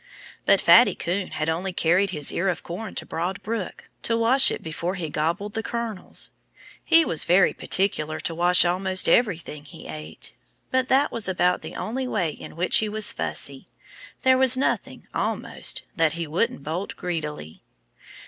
But Fatty Coon had only carried his ear of corn to Broad Brook, to wash it before he gobbled the kernels. He was very particular to wash almost everything he ate. But that was about the only way in which he was fussy. There was nothing, almost, that he wouldn't bolt greedily.